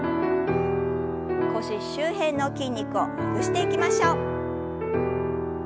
腰周辺の筋肉をほぐしていきましょう。